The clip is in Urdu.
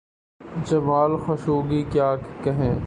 جمال خشوگی… کیا کہیں؟